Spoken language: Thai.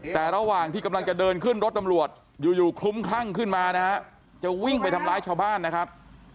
แต่ระหว่างที่กำลังจะเดินขึ้นรถตำรวจอยู่อยู่คลุ้มคลั่งขึ้นมานะฮะจะวิ่งไปทำร้ายชาวบ้านนะครับ